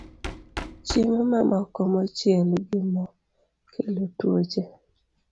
Chiemo mamoko mochiel gi mo kelo tuoche